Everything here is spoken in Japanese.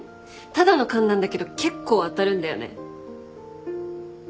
ただの勘なんだけど結構当たるんだよね。